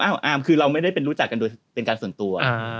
อาร์มคือเราไม่ได้เป็นรู้จักกันโดยเป็นการส่วนตัว